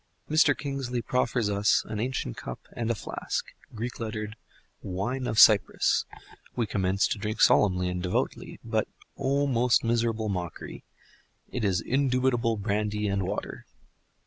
Mr. Kingsley proffers us an ancient cup and a flask, Greek lettered "Wine of Cyprus"; we commence to drink solemnly and devoutly, but—O most miserable mockery! it is indubitable brandy and water.